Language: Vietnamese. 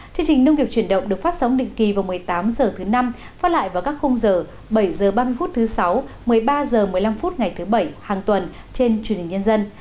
chương trình nông nghiệp chuyển động được phát sóng định kỳ vào một mươi tám h thứ năm phát lại vào các khung giờ bảy h ba mươi phút thứ sáu một mươi ba h một mươi năm phút ngày thứ bảy hàng tuần trên truyền hình nhân dân